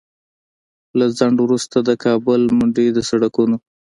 له ځنډ وروسته د کابل منډوي د سړکونو